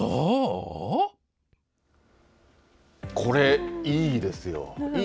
これ、いいですよ。